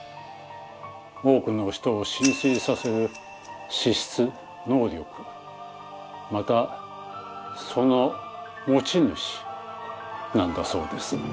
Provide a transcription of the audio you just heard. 多くの人を心酔させる資質能力またその持ち主なんだそうです。